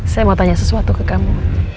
saya mau tanya sesuatu ke kamu